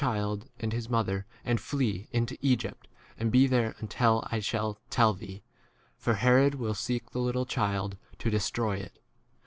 child and his mother, and flee into Egypt, and be there until I shall tell thee ; for Herod will seek the 14 little child to destroy it.